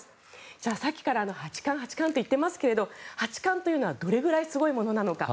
じゃあ、さっきから八冠、八冠って言ってますけれど八冠というのはどれくらいすごいものなのか。